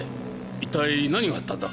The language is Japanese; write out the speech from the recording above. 一体何があったんだ？